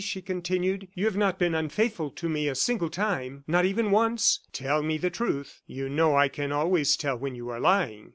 she continued. "You have not been unfaithful to me a single time? Not even once? ... Tell me the truth; you know I can always tell when you are lying."